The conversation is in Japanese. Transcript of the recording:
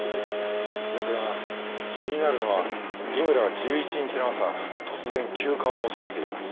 ですが気になるのは井村は１１日の朝突然休暇を申し出ています。